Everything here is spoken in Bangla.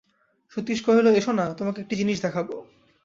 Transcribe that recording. সতীশ কহিল, এসো-না, তোমাকে একটা জিনিস দেখাব।